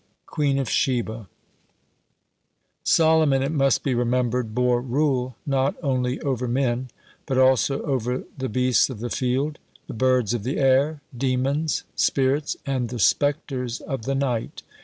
THE QUEEN OF SHEBA Solomon, it must be remembered, bore rule not only over men, but also over the beasts of the field, the birds of the air, demons, spirits, and the spectres of the night.